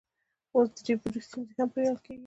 اوس درې بعدي ستونزې هم پرې حل کیږي.